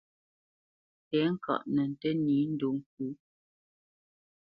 Tɛ̌ŋkaʼ nə ntə́ nǐ ndo ŋkǔ.